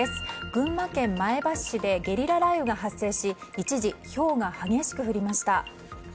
群馬県前橋市でゲリラ雷雨が発生し一時、ひょうが激しく降りました。